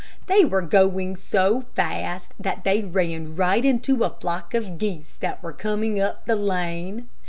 They were going so fast that they ran right into a flock of geese that were coming up the lane.